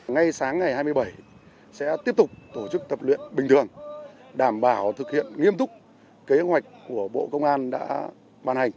ngay sáng ngày hai mươi bảy sẽ tiếp tục tổ chức tập luyện bình thường đảm bảo thực hiện nghiêm túc kế hoạch của bộ công an đã bàn hành